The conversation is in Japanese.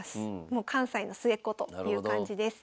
もう関西の末っ子という感じです。